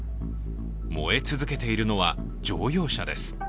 燃え続けているのは乗用車です。